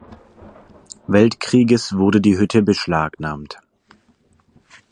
Weltkrieges wurde die Hütte beschlagnahmt.